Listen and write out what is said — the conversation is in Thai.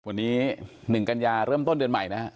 วันนี้๑กัญญาเริ่มต้นเดือนใหม่นะฮะ